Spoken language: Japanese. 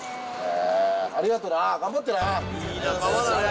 ありがとな、頑張ってな！